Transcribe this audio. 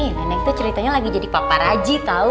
eh nenek tuh ceritanya lagi jadi papa raji tau